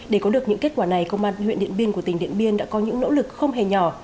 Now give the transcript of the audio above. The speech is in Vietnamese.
để có được những kết quả này công an huyện điện biên của tỉnh điện biên đã có những nỗ lực không hề nhỏ